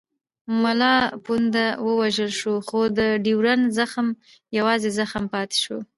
ملا پونده ووژل شو خو د ډیورنډ زخم یوازې زخم پاتې شو.